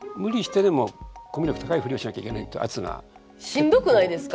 しんどくないですか？